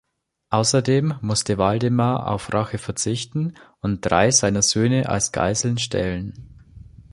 Außerdem musste Waldemar auf Rache verzichten und drei seiner Söhne als Geiseln stellen.